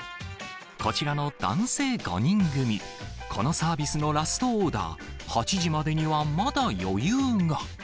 こちらの男性５人組、このサービスのラストオーダー、８時までにはまだ余裕が。